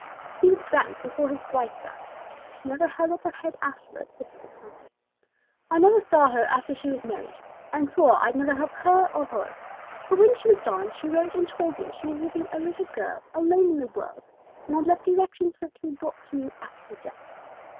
"He was drowned before his wife died; she never held up her head afterwards, the people tell me. I never saw her after she was married, and swore I'd never help her or hers; but when she was dying she wrote and told me she was leaving a little girl alone in the world, and had left directions for it to be brought to me after her death.